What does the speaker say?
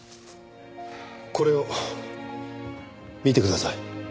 これを見てください。